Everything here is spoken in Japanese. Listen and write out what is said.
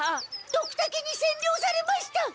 ドクタケにせんりょうされました！